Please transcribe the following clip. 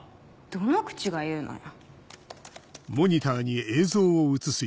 どの口が言うのよ。